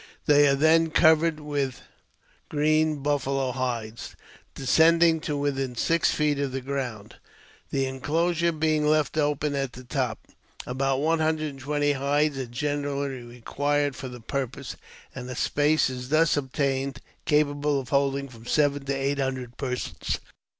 They are then covered with green buffalo hidesL.' descending to within six feet of the ground, the enclosurBB being left open at the top. About one hundred and twenty hides are generally required for the purpose, and a space is_ thus obtained capable of holding from seven to eight hundre persons.